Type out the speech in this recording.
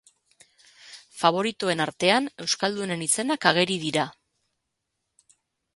Faboritoen artean euskaldunen izenak ageri dira.